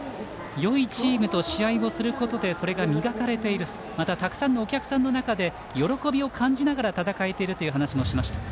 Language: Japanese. よいチームと試合をすることでそれが磨かれているとたくさんのお客さんの中で喜びを感じながら戦えているという話をしました。